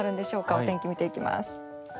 お天気、見ていきます。